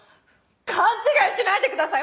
勘違いしないでください！